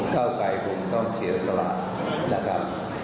เก้าไกรคงต้องเสียสละนะครับ